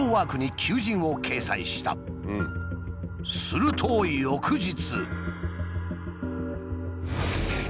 すると翌日。